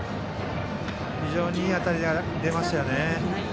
非常にいい当たりが出ましたよね。